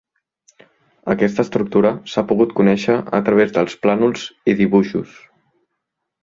Aquesta estructura s'ha pogut conèixer a través dels plànols i dibuixos.